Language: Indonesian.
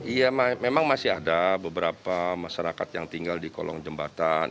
iya memang masih ada beberapa masyarakat yang tinggal di kolong jembatan